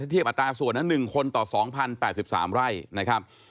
เทียบอัตราส่วนนั้น๑คนต่อ๒๐๘๓ไร่นะครับ